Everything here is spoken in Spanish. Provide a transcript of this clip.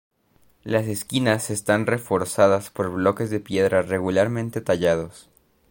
Las esquinas están reforzadas por bloques de piedra regularmente tallados.